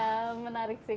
ya menarik sih